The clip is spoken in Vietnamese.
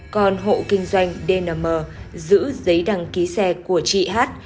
còn hộ kinh doanh dm giữ giấy đăng ký xe của chị hát